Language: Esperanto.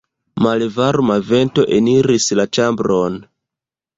Malvarma vento eniris la ĉambron.